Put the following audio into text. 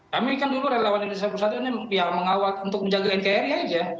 kami kan dulu relawan indonesia bersatu ini pihak mengawal untuk menjaga nkri aja